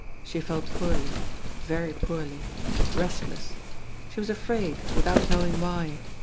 She felt poorly, very poorly, restless. She was afraid, without knowing why.